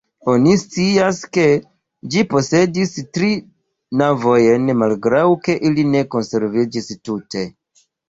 Oni scias, ke ĝi posedis tri navojn malgraŭ ke ili ne konserviĝis tute.